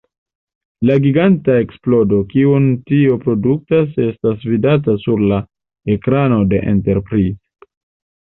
La giganta eksplodo, kiun tio produktas, estas vidata sur la ekrano de Enterprise.